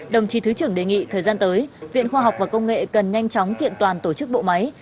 đồng chí thứ trưởng đề nghị thời gian tới viện khoa học và công nghệ cần nhanh chóng kiện toàn tổ chức bộ máy